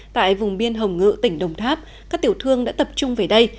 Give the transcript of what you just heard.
tại vùng biên hồng ngự tỉnh đồng tháp các tiểu thương đã tập trung về đây